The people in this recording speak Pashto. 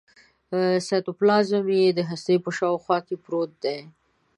سایتوپلازم یې د هستې په شاوخوا کې پروت دی.